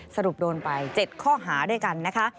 สรุปโดนไป๗ข้อหาด้วยกันนะคะ